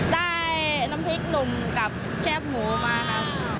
ได้น้ำพริกหนุ่มกับแคบหมูมาค่ะ